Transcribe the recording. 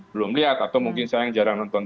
belum lihat atau mungkin saya yang jarang nonton